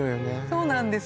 そうなんです